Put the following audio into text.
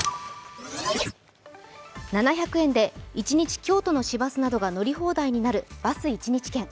７００円で一日京都の市バスなどが乗り放題になるバス一日券。